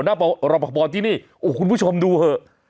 ว่านายมนตรีใหญ่กระโทกห์หลักอมบลปัพที่นี่โอ้คุณผู้ชมดูเหอะ